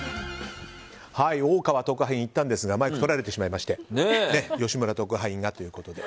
大川特派員行ったんですがマイクをとられてしまいまして吉村特派員がということで。